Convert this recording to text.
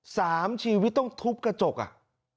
สามชีวิตต้องทุบกระจกอ่ะ